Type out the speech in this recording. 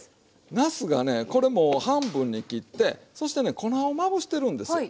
なすがねこれもう半分に切ってそしてね粉をまぶしてるんですよ。